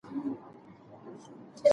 هیلوړانګه